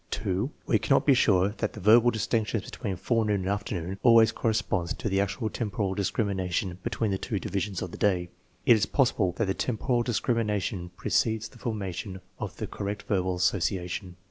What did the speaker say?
(2) We cannot be sure that the verbal distinction between forenoon and afternoon always cor responds to the actual temporal discrimination between the twcujivisions of the day. It is possible that lie temporal discrimination precedes the 'formation of the correct verbal association.